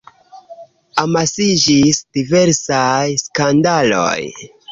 Amasiĝis diversaj skandaloj.